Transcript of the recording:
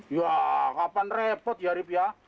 ya kapan repot ya rif ya